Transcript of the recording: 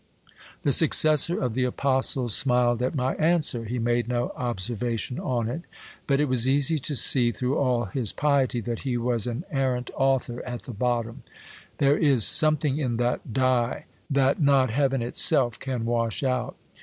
The successor of the apostles smiled at my answer. He made no observation on it ; but it was easy to see, through all his piety, that he was an arrant author at the bottom : there is some thing in that dye, that not heaven itself can wash out.